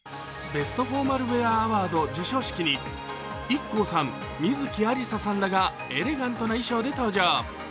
ベストフォーマルウェアアワード授賞式にＩＫＫＯさん、観月ありささんらがエレガントな衣装で登場。